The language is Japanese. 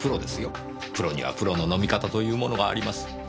プロにはプロの飲み方というものがあります。